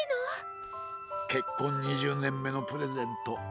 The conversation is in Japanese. けっこん２０ねんめのプレゼント。